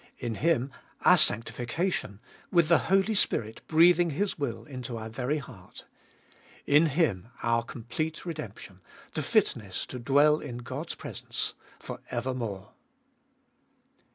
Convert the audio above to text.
In Him our sanctif cation, with the Holy Spirit breathing His will into our very heart. In Him our complete redemption, the fitness to dwell in God's presence for evermore.